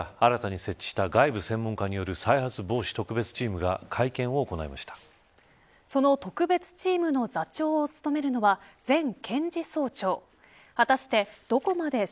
ジャニーズ事務所が新たに設置した外部専門家による再発防止特別チームがその特別チームの座長を務めるのは前検事総長。